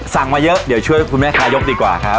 มาเยอะเดี๋ยวช่วยคุณแม่ทายกดีกว่าครับ